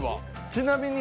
ちなみに。